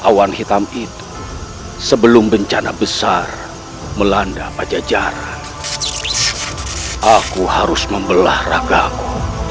awan hitam itu sebelum bencana besar melanda pajajaran aku harus membelah ragaku